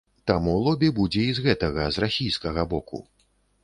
Таму лобі будзе і з гэтага, з расійскага боку.